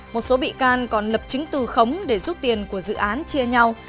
một số bị can còn lập chứng từ khống để rút tiền của dự án chia nhau